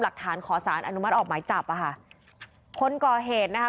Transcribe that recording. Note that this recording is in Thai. ขอสารอนุมัติออกหมายจับอ่ะค่ะคนก่อเหตุนะคะ